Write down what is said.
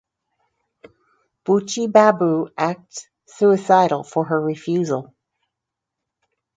Buchi Babu acts suicidal for her refusal.